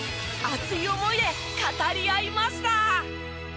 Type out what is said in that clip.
熱い思いで語り合いました。